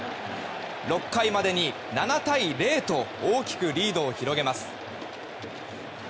６回までに７対０と大きくリードを広げます。